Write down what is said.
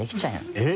えっ？